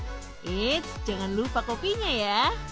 eits jangan lupa kopinya ya